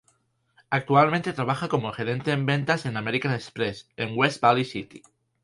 Actualmente trabaja como gerente en ventas en American Express en West Valley City.